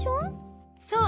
そう！